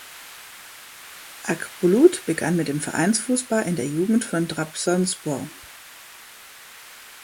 Akbulut begann mit dem Vereinsfußball in der Jugend von Trabzonspor.